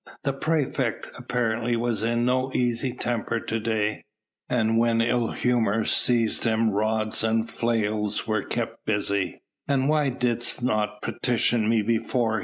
The praefect apparently was in no easy temper to day, and when ill humour seized him rods and flails were kept busy. "And why didst not petition me before?"